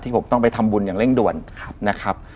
ผมต้องไปทำบุญอย่างเร่งด่วนนะครับ